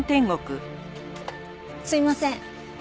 すいません。